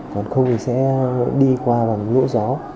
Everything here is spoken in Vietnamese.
còn không thì sẽ đi qua bằng lũ gió